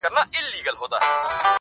خوب مي وتښتي ستا خیال لکه غل راسي!.